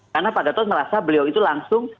karena pak gatot merasa beliau itu langsung